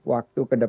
masih terus berjalan